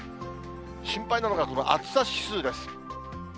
心配なのがその暑さ指数です。